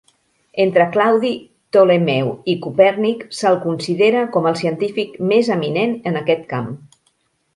Entre Claudi Ptolemeu i Copèrnic, se'l considera com el científic més eminent en aquest camp.